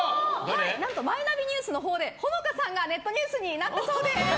何とマイナビニュースのほうでほのかさんがネットニュースになったそうです。